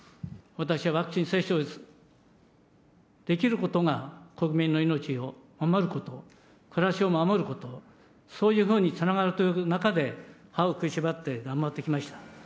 私はワクチン接種をできることが、国民の命を守ること、暮らしを守ること、そういうふうにつながるという中で、歯を食いしばって頑張ってきました。